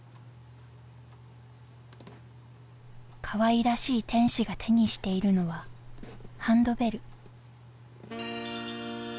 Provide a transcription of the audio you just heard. かわいらしい天使が手にしているのはハンドベル。